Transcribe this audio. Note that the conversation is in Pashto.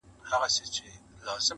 بیا به جهان راپسي ګورې نه به یمه!!